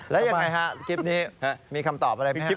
แล้วยังไงครับคลิปนี้มีคำตอบอะไรไหมครับ